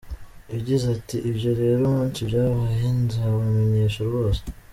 Yagize ati “Ibyo rero umunsi byabaye nzabamenyesha rwose.